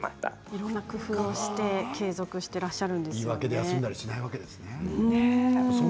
いろんな工夫をして継続しているんですね。